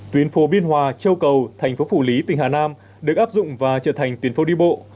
tuyến phố biên hòa châu cầu thành phố phủ lý tỉnh hà nam được áp dụng và trở thành tuyến phố đi bộ